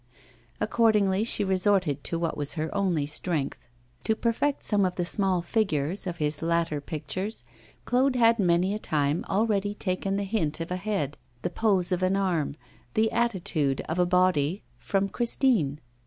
Accordingly she resorted to what was her only strength. To perfect some of the small figures of his latter pictures, Claude had many a time already taken the hint of a head, the pose of an arm, the attitude of a body from Christine.